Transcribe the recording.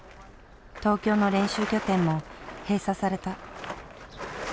東京の練習拠点も閉鎖された。